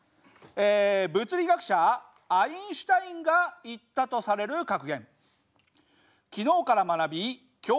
物理学者アインシュタインが言ったとされる格言。